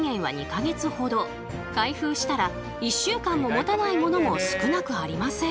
開封したら１週間ももたないものも少なくありません。